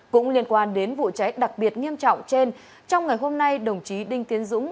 cũng liên quan đến vụ cháy đặc biệt nghiêm trọng trên trong ngày hôm nay đồng chí đinh tiến dũng